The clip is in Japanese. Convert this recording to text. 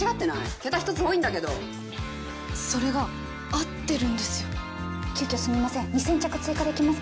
桁１つ多いんだけどそれが合ってるんですよ急きょすみません２０００着追加できますか？